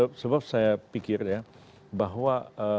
dan sebab saya pikir ya bahwa